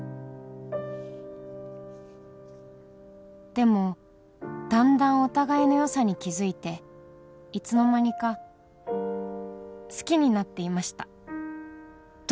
「でもだんだんお互いの良さに気づいていつの間にか好きになっていました」